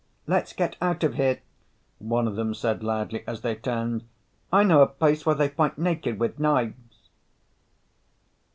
"Let's get out of here," one of them said loudly, as they turned. "I know a place where they fight naked with knives."